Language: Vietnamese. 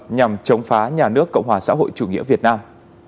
nhằm chống phá nhà nước cộng hòa xã hội chủ nghĩa việt nam